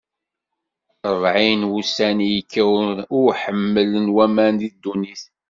Ṛebɛin n wussan i yekka uḥemmal n waman di ddunit.